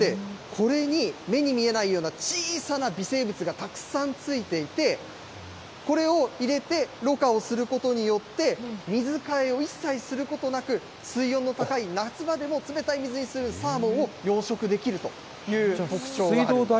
これに目に見えないような小さな微生物がたくさんついていて、これを入れて、ろ過をすることによって、水替えを一切することなく、水温の高い夏場でも、冷たい水に住むサーモンを養殖できるという特徴があるんです。